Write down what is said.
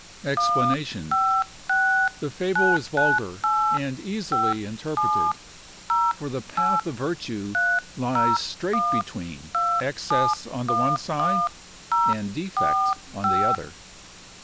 EXPLANATION.—The fable is vulgar, and easily interpreted; for the path of virtue lies straight between excess on the one side, and defect on the other.